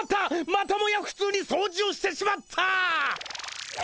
またもやふつうに掃除をしてしまった！